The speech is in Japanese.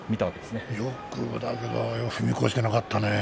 よく踏み越してなかったね。